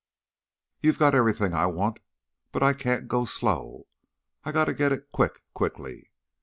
You got everything I want, but I can't go so slow; I got to get it quick quickly.